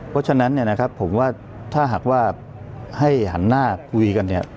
เพราะฉะนั้นผมว่าถ้าหากว่าให้หันหน้าคุยกัน